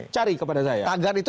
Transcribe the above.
cari kepada saya